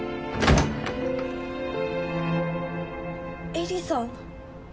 絵里さん！